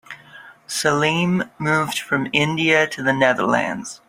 Salim moved from India to the Netherlands.